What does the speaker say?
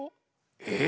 えっ？